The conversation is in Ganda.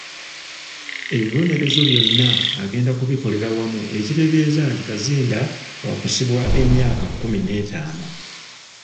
Ebibonerezo byonna agenda kubikolera wamu ekitegeeza nti Kazinda waakusibwa emyaka kumi n'etaano.